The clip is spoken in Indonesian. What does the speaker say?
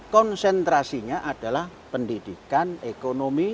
konsentrasinya adalah pendidikan ekonomi